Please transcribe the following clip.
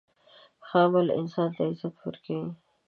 ښه عمل انسان ته عزت ورکوي.